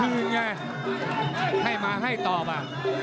คือไงให้มาให้ต่อป่ะ